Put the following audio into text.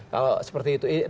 kalau seperti itu